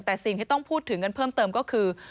แต่สิ่งที่ต้องพูดถึงกันเพิ่มเติมก็คือ